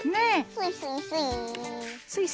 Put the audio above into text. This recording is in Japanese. スイスイスイー。